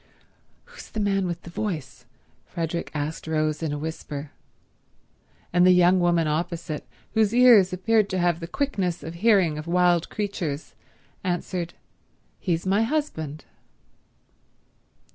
"Who's the man with the voice?" Frederick asked Rose in a whisper; and the young woman opposite, whose ears appeared to have the quickness of hearing of wild creatures, answered, "He's my husband."